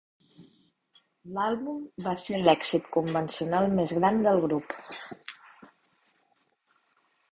L'àlbum va ser l'èxit convencional més gran del grup.